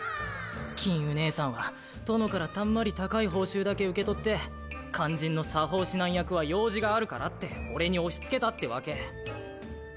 金烏姉さんは殿からたんまり高い報酬だけ受け取って肝心の作法指南役は用事があるからってオレに押し付けたってわけ。